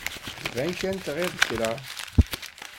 Iban kan tgid kra.